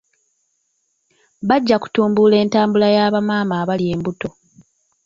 Bajja kutumbula entambula ya bamaama abali embuto.